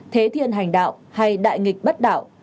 thế thiên hành đạo hay đại ngịch bất đạo